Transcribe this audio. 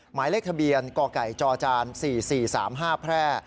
หมายเลขทะเบียนกไก่จจ๔๔๓๕แพร่